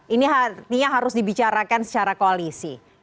ini artinya harus dibicarakan secara koalisi